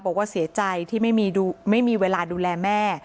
บอกว่าเสียใจที่ไม่มีเวลาดูแลแม่